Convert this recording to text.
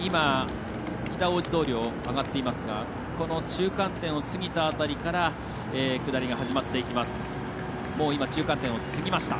北大路通を上がってますが中間点を過ぎた辺りから下りが始まっていきます。